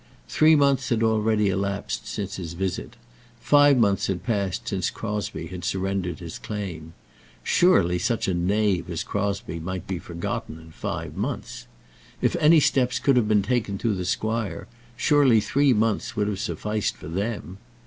Three months had already elapsed since his visit. Five months had passed since Crosbie had surrendered his claim. Surely such a knave as Crosbie might be forgotten in five months! If any steps could have been taken through the squire, surely three months would have sufficed for them!